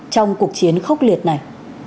trong cuộc chiến khốc liệt này